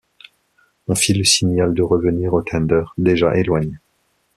On fit le signal de revenir au tender, déjà éloigné.